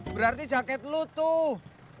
berarti jaket lu tuh